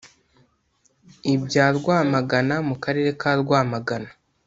ibya Rwamagana mu Karere ka Rwamagana